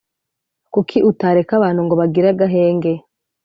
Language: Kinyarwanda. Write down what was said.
Kuki utareka abantu ngo bagire agahenge